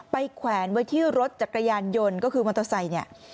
แขวนไว้ที่รถจักรยานยนต์ก็คือมอเตอร์ไซค์เนี่ย